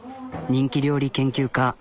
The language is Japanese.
人気料理研究家